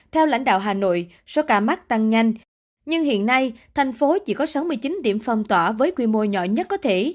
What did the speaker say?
theo lãnh đạo hà nội số ca mắc tăng nhanh nhưng hiện nay thành phố chỉ có sáu mươi chín điểm phong tỏa với quy mô nhỏ nhất có thể